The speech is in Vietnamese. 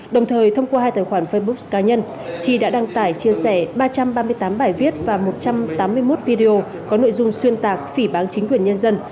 đồng thời thông qua hai tài khoản facebook cá nhân chi đã đăng tải chia sẻ ba trăm ba mươi tám bài viết và một trăm tám mươi một video có nội dung xuyên tạc phỉ bán chính quyền nhân dân